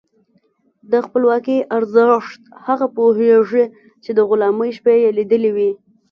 د خپلواکۍ ارزښت هغه پوهېږي چې د غلامۍ شپې یې لیدلي وي.